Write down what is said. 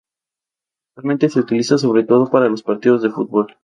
Actualmente se utiliza sobre todo para los partidos de fútbol.